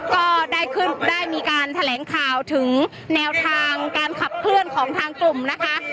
ก็ได้มีการแถลงข่าวถึงแนวทางการขับเคลื่อนของทางกลุ่มนะคะ